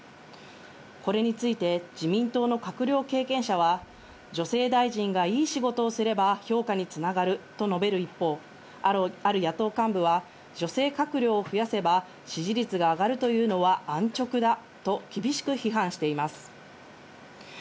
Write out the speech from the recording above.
これについて自民党の閣僚経験者は女性大臣がいい仕事をすれば評価に繋がると述べる一方、ある野党幹部は女性閣僚を増やせば、支持率が上がるというのは安直だと厳しく批判しています。